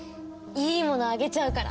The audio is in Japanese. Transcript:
いいものあげちゃうから。